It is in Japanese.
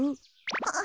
あ。